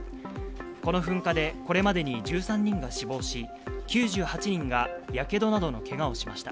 この噴火でこれまでに１３人が死亡し、９８人がやけどなどのけがをしました。